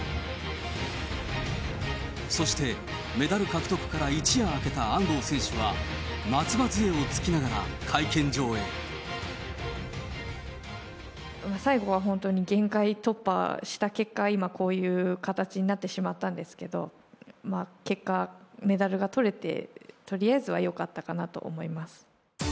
そしてメダル獲得から一夜明けた安藤選手は、松葉づえをつきなが最後は本当に限界突破した結果、今こういう形になってしまったんですけど、結果、メダルがとれて、とりあえずはよかったかなと思います。